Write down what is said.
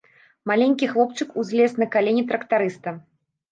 Маленькі хлопчык узлез на калені трактарыста.